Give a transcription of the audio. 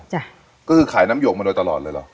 ก็คือขายน้ำหยกมาโดยตลอดเลยเหรอ